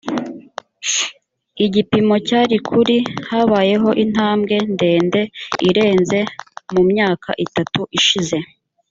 igipimo cyari kuri habayeho intambwe ndende irenze mu myaka itatu ishize